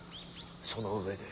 その上で。